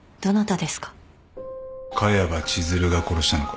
萱場千寿留が殺したのか？